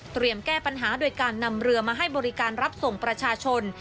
แก้ปัญหาโดยการนำเรือมาให้บริการรับส่งประชาชน